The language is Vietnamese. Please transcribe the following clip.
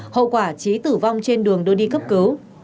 hậu quả trí tử vong trên đường đưa đi cấp cứu